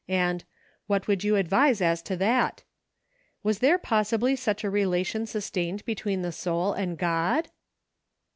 ''" and, "What would you advise as to that .*" Was there possibly such a relation sustained between the soul and God